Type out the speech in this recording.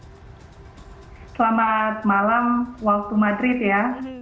selamat malam waktu madrid ya